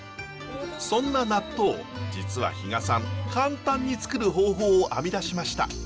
そんな納豆を実は比果さん簡単につくる方法を編み出しました。